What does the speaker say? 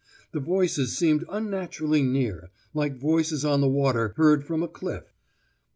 The voices seemed unnaturally near, like voices on the water heard from a cliff.